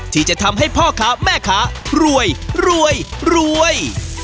ที่จะทำให้พ่อค้าแม่ค้ารวยรวยรวย